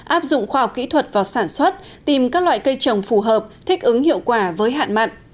áp dụng khoa học kỹ thuật vào sản xuất tìm các loại cây trồng phù hợp thích ứng hiệu quả với hạn mặn